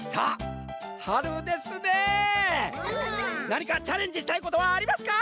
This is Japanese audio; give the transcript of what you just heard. なにかチャレンジしたいことはありますか？